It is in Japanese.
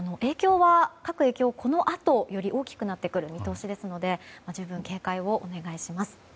各影響はこのあとより大きくなってくる見込みですので十分、警戒をお願いします。